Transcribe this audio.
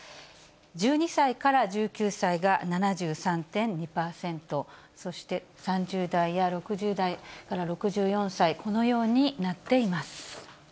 １２歳から１９歳が７３．２％、そして３０代や６０代から６４歳、このようになっています。